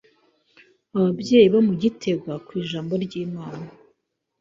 ababyeyi bo mu Gitega ku ijambo ry’Imana ,